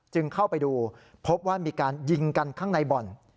เข้าไปดูพบว่ามีการยิงกันข้างในบ่อน